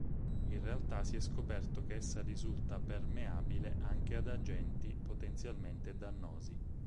In realtà si è scoperto che essa risulta permeabile anche ad agenti potenzialmente dannosi.